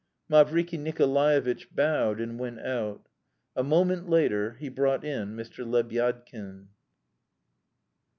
Mavriky Nikolaevitch bowed and went out. A moment later he brought in Mr. Lebyadkin.